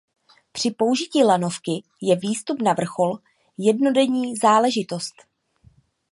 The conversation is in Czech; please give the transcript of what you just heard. Při použití lanovky je výstup na vrchol jednodenní záležitost.